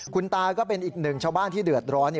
คุณตาก็เป็นอีกหนึ่งชาวบ้านที่เดือดร้อน